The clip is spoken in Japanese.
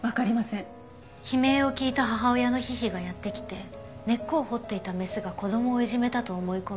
悲鳴を聞いた母親のヒヒがやって来て根っこを掘っていたメスが子供をいじめたと思い込み